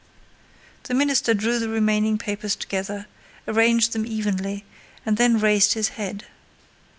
The minister drew the remaining papers together, arranged them evenly, and then raised his head.